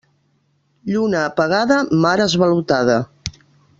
Lluna apagada, mar esvalotada.